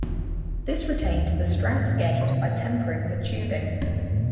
This retained the strength gained by tempering the tubing.